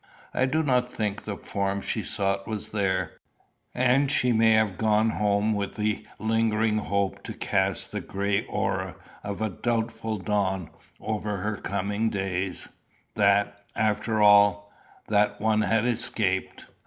I do not think the form she sought was there; and she may have gone home with the lingering hope to cast the gray aurora of a doubtful dawn over her coming days, that, after all, that one had escaped.